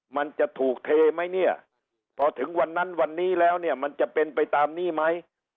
มันจะถูกเทไหมเนี่ยพอถึงวันนั้นวันนี้แล้วเนี่ยมันจะเป็นไปตามนี้ไหม